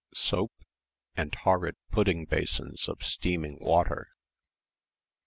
Soap? and horrid pudding basins of steaming water.